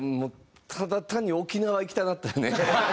ただ単に沖縄行きたなったよね。